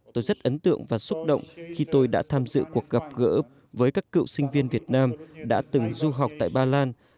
tôi rất ấn tượng và xúc động khi tôi đã tham dự cuộc gặp gỡ với các cựu sinh viên việt nam đã từng du học tại ba lan